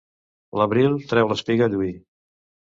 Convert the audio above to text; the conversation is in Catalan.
L'abril treu l'espiga a lluir.